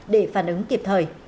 để phản ứng kịp thời